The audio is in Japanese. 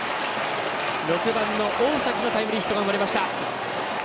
６番の大崎のタイムリーヒットが生まれました。